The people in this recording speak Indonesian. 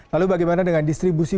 lalu bagaimana dengan distribusi